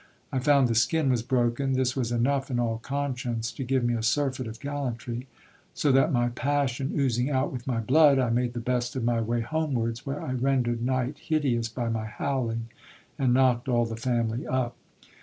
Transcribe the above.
I found the skin was broken. This was enough in all conscience to give me a surfeit of gallantry ; so that, my passion oozing out with my blood, I made the best of my way homewards, where I rendered night hideous by my howling, and knocked all the family up.